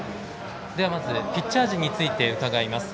ピッチャー陣について伺います。